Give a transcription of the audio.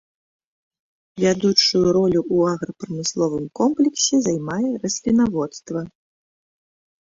Вядучую ролю ў аграпрамысловым комплексе займае раслінаводства.